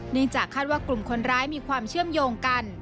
จากคาดว่ากลุ่มคนร้ายมีความเชื่อมโยงกัน